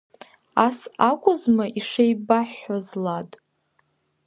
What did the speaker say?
Ас акәызма ишеибаҳҳәаз, Лад?!